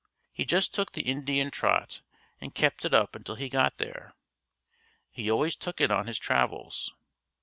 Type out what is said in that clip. He just took the Indian trot and kept it up until he got there. He always took it on his travels.